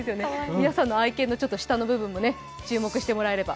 皆さんの愛犬も舌の部分、注目してもらえれば。